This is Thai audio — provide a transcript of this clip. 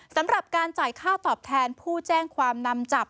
สำหรับการจ่ายค่าตอบแทนผู้แจ้งความนำจับ